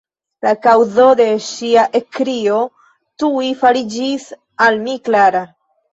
La kaŭzo de ŝia ekkrio tuj fariĝis al mi klara.